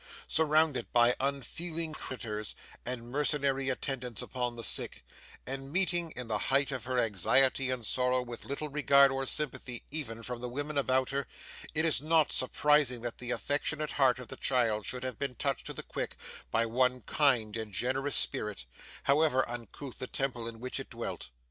Surrounded by unfeeling creditors, and mercenary attendants upon the sick, and meeting in the height of her anxiety and sorrow with little regard or sympathy even from the women about her, it is not surprising that the affectionate heart of the child should have been touched to the quick by one kind and generous spirit, however uncouth the temple in which it dwelt.